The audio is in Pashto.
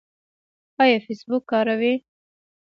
ایا فیسبوک کاروئ؟